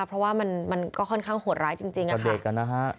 เพราะว่ามันก็ค่อนข้างโหดร้ายจริงนะคะ